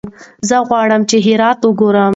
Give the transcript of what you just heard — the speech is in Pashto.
زه غواړم چې هرات وګورم.